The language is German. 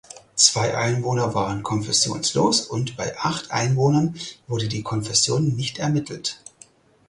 Zwei Einwohner waren konfessionslos und bei acht Einwohnern wurde die Konfession nicht ermittelt.